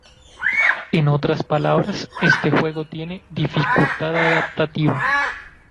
En otras palabras, este juego tiene "dificultad adaptativa".